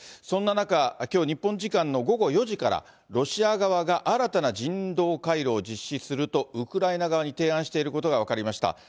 そんな中、きょう日本時間の午後４時から、ロシア側が新たな人道回廊を実施するとウクライナ側に提案していることが分かりました。